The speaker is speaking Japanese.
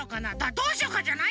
「どうしようか」じゃないよ。